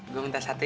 gue minta satu ya